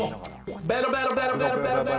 ベロベロベロベロ。